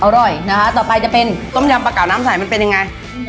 อร่อยนะคะต่อไปจะเป็นต้มยำปลาเก๋าน้ำใสมันเป็นยังไง